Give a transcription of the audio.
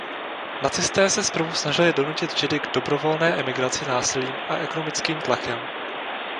Nacisté se zprvu snažili donutit Židy k „dobrovolné“ emigraci násilím a ekonomickým tlakem.